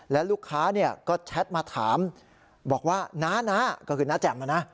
แล้วลูกค้าก็แชทมาถามบอกว่าณก็คือณแจ่มนะ